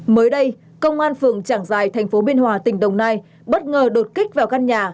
mới đây công an phường trảng giài thành phố biên hòa tỉnh đồng nai bất ngờ đột kích vào căn nhà